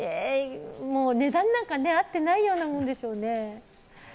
値段なんか、あってないようなもんでしょうね。